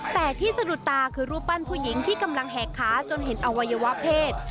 แต่ที่สะดุดตาคือรูปปั้นผู้หญิงที่กำลังแหกขาจนเห็นอวัยวะเพศ